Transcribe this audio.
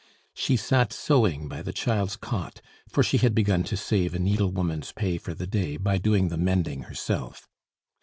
She sat sewing by the child's cot, for she had begun to save a needlewoman's pay for the day by doing the mending herself.